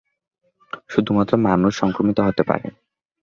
শুধুমাত্র মানুষ সংক্রমিত হতে পারে।